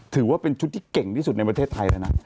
ถือว่าเป็นชุดที่เก่งที่สุดในประเทศไทยแล้วนะ